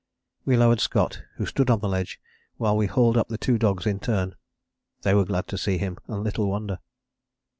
We lowered Scott, who stood on the ledge while we hauled up the two dogs in turn. They were glad to see him, and little wonder!